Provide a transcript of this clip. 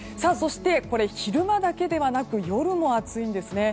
昼間だけではなく夜も暑いんですね。